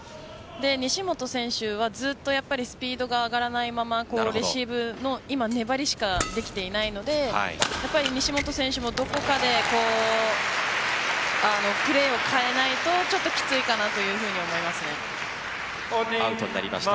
西本選手はずっとスピードが上がらないまま今、レシーブの粘りしかできていないので西本選手もどこかでプレーを変えないときついかなとアウトになりました。